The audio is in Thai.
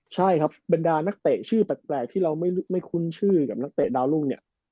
ใช่ครับบรรดานักเตะชื่อแปลกที่เราไม่คุ้นชื่อกับนักเตะดาวรุ่งเนี่ย